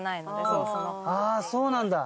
そうなんだ。